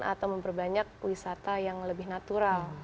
atau memperbanyak wisata yang lebih natural